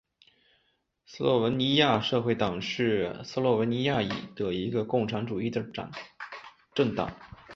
斯洛文尼亚社会党是斯洛文尼亚的一个共产主义政党。